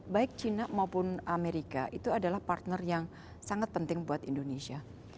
baik cina maupun amerika itu adalah partner yang sangat penting buat indonesia